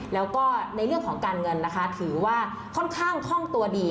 แล้วก็ในเรื่องของการเงินนะคะถือว่าค่อนข้างคล่องตัวดี